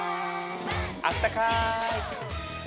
あったかい。